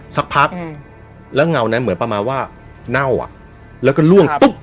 สักพักแล้วเงานั้นเหมือนประมาณว่าเน่าอ่ะแล้วก็ล่วงปุ๊บ